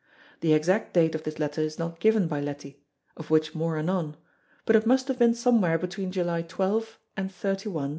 The exact date of this letter is not given by Leti of which more anon but it must have been somewhere between July 12 and 31, 1543.